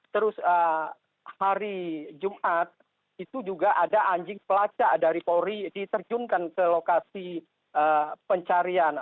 terus hari jumat itu juga ada anjing pelacak dari polri diterjunkan ke lokasi pencarian